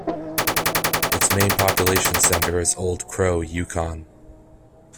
Its main population centre is Old Crow, Yukon.